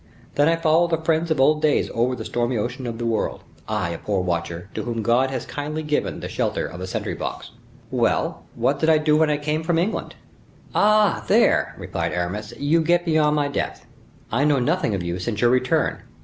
Then I follow the friends of old days over the stormy ocean of the world, I, a poor watcher, to whom God has kindly given the shelter of a sentry box." "Well, what did I do when I came from England?" "Ah! there," replied Aramis, "you get beyond my depth. I know nothing of you since your return.